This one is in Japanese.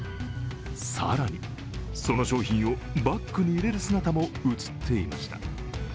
更に、その商品をバッグに入れる姿も映っていました。